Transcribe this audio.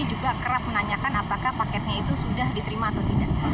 juga kerap menanyakan apakah paketnya itu sudah diterima atau tidak